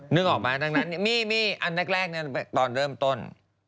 นึกออกไหมดังนั้นมีอันแรกตอนเริ่มต้น